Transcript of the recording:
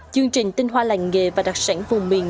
chương trình tinh hoa làng nghề và đặc sản vùng miền